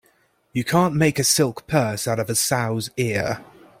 You can't make a silk purse out of a sow's ear.